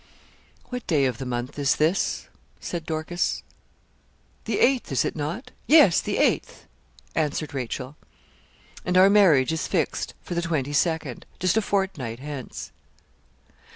'What day of the month is this?' said Dorcas. 'The eighth is not it? yes, the eighth,' answered Rachel. 'And our marriage is fixed for the twenty second just a fortnight hence.